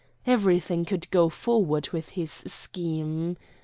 Everything could go forward with his scheme.